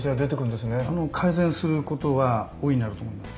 改善することは大いにあると思います。